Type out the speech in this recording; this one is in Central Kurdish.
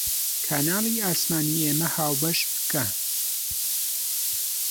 کەناڵی ئاسمانی ئێمە هاوبەش بکە